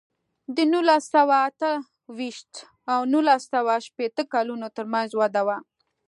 د نولس سوه اته ویشت او نولس سوه شپېته کلونو ترمنځ وده وه.